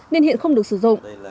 nên hiện không được sử dụng